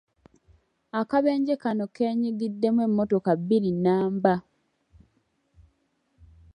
Akabenje kano keenyigiddemu emmotoka bbiri nnamba.